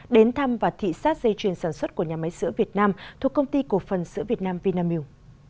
đến thăm và thị xác dây chuyền sản xuất của nhà máy sữa việt nam thuộc công ty cổ phần sữa việt nam vinamilk